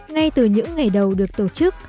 ngay từ những ngày đầu được tổ chức